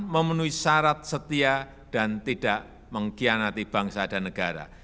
memenuhi syarat setia dan tidak mengkhianati bangsa dan negara